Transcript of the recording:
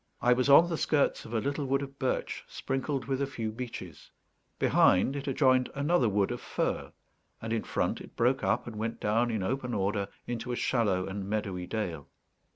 I was on the skirts of a little wood of birch, sprinkled with a few beeches; behind, it adjoined another wood of fir; and in front, it broke up and went down in open order into a shallow and meadowy dale.